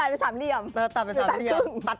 ตัดไปสามเหลี่ยมทั้งคึงตัดไปสามเหลี่ยม